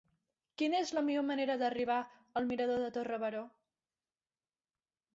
Quina és la millor manera d'arribar al mirador de Torre Baró?